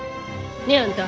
ねえあんた。